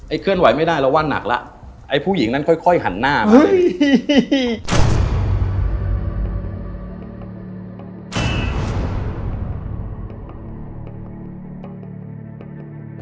เคลื่อนไหวไม่ได้เราว่างหนักแล้วไอ้ผู้หญิงนั้นค่อยหันหน้าไป